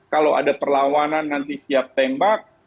kalau ada perlawanan nanti siap tembak